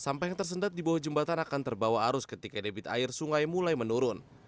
sampah yang tersendat di bawah jembatan akan terbawa arus ketika debit air sungai mulai menurun